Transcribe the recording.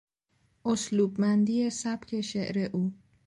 اسلوبمندی سبک شعر او